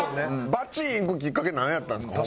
バチーンいくきっかけなんやったんですか？